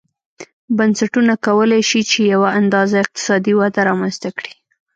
بنسټونه کولای شي چې یوه اندازه اقتصادي وده رامنځته کړي.